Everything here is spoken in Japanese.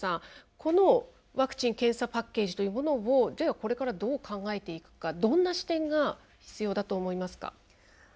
このワクチン検査パッケージというものをこれからどう考えていくかどんな視点が必要だと思いますか。